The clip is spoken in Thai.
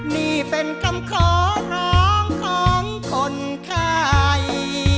นี่เป็นคำขอร้องของคนไข้